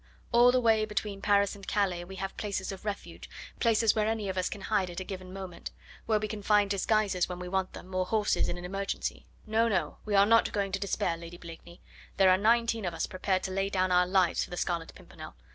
All the way between Paris and Calais we have places of refuge, places where any of us can hide at a given moment; where we can find disguises when we want them, or horses in an emergency. No! no! we are not going to despair, Lady Blakeney; there are nineteen of us prepared to lay down our lives for the Scarlet Pimpernel.